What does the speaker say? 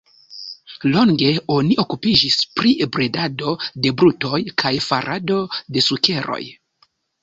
Longe oni okupiĝis pri bredado de brutoj kaj farado de sukeroj.